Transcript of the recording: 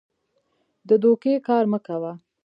د دوکې کار مه کوه.